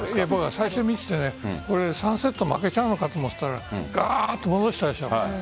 最初見ていて３セット負けちゃうと思っていたら戻したでしょ。